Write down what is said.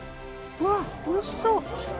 うわっおいしそう。